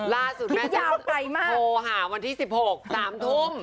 ล่าสุดแม่จำโทรหาวันที่๑๖๓ทุ่ม